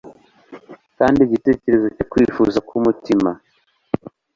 kandi igitekerezo cyo kwifuza k'umutima